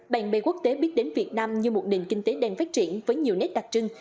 bạn bè quốc tế biết đến việt nam như một nền kinh tế đang phát triển với nhiều nét đặc trưng